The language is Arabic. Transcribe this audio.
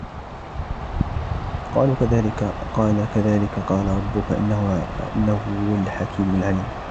قَالُوا كَذَلِكِ قَالَ رَبُّكِ إِنَّهُ هُوَ الْحَكِيمُ الْعَلِيمُ